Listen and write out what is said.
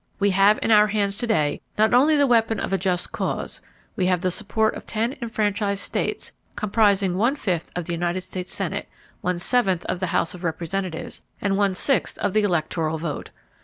"We have in our hands to day not only the weapon of a just cause; we have the support of ten enfranchised states—states comprising one fifth of the United States Senate, one seventh of the House of Representatives, and one sixth of the electoral vote.